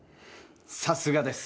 さすがです。